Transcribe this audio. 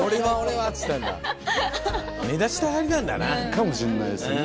かもしれないですね